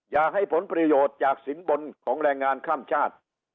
อย่าให้ผลประโยชน์จากสินบนของแรงงานข้ามชาติ